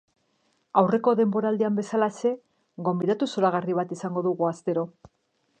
Aurreko denboraldian bezalaxe, gonbidatu zoragarri bat izango dugu astero.